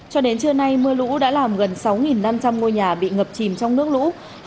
cho đến trưa nay mưa lũ đã làm gần sáu năm trăm linh ngôi nhà bị ngập chìm trong nước lũ